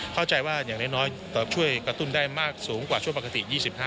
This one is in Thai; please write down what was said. เข้าใจว่าอย่างน้อยช่วยกระตุ้นได้มากสูงกว่าช่วงปกติ๒๕